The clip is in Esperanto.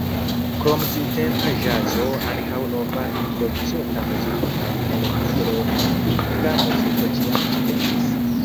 Krom tiutempa ĵazo ankaŭ nova improvizota muziko kaj elektronika muziko ĉiam ĉeestis.